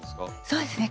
そうですね。